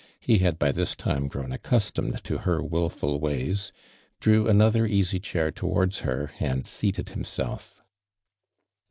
by the |by this time grown accustomed to hor wilful ways —| drew another easy chair towards her and suated himself.